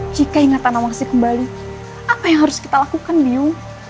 jika ingatan nawangsi kembali apa yang harus kita lakukan biung